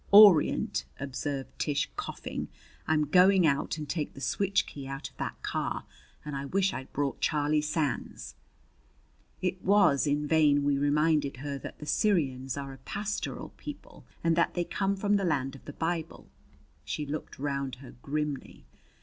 "Orient!" observed Tish, coughing. "I'm going out and take the switch key out of that car. And I wish I'd brought Charlie Sands!" It was in vain we reminded her that the Syrians are a pastoral people and that they come from the land of the Bible. She looked round her grimly.